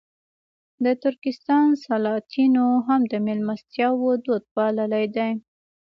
د ترکستان سلاطینو هم د مېلمستیاوو دود پاللی دی.